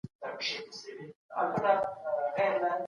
که ماسومان سوق ولري نو مطالعه به عادت سي.